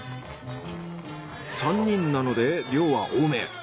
３人なので量は多め。